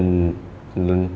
để tìm hiểu